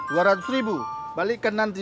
dua ratus ribu balikkan nanti